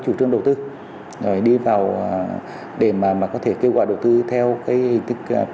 chủ trương đầu tư đi vào để mà có thể kêu gọi đầu tư theo cái hình thức